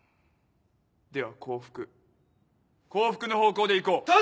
では降伏降伏の方向で行こう。